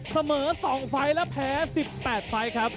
เสมอ๒ไฟล์และแพ้๑๘ไฟล์ครับ